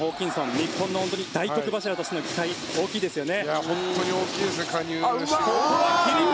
日本の大黒柱としての期待がそうですね。